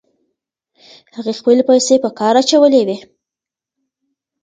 هغې خپلې پیسې په کار اچولې وې.